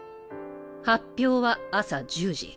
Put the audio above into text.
発表は朝１０時。